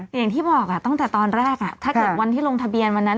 อย่างที่บอกตั้งแต่ตอนแรกถ้าเกิดวันที่ลงทะเบียนวันนั้น